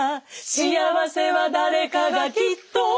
「幸福は誰かがきっと」